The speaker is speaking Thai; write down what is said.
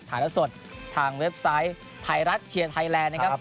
ละสดทางเว็บไซต์ไทยรัฐเชียร์ไทยแลนด์นะครับ